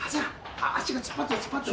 脚が突っ張ってる突っ張ってる。